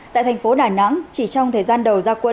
tại thành phố đài nắng chỉ trong thời gian đầu gia quân